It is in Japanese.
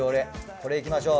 これいきましょう。